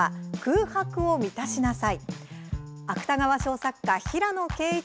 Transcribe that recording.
「空白を満たしなさい」。